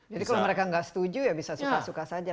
jadi kalau mereka tidak setuju ya bisa suka suka saja